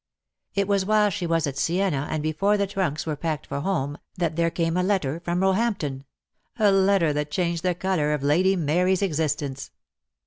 It was while she was at Siena, and before the trunks were packed for home, that there came a letter from Roehampton — a letter that changed the colour of Lady Mary's existence.